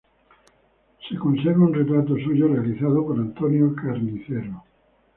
Se conserva un retrato suyo realizado por Antonio Carnicero.